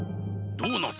ドーナツ。